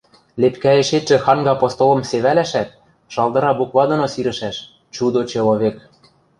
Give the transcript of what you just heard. Лепкӓэшетшӹ ханга постолым севӓлшӓшӓт, шалдыра буква доно сирӹшӓш: «Чудо-человек».